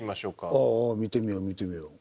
ああ見てみよう見てみよう。